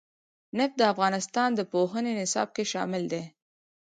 نفت د افغانستان د پوهنې نصاب کې شامل دي.